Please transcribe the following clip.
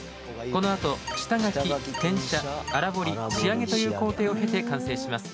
このあと、下書き、転写粗彫り、仕上げという工程を経て完成します。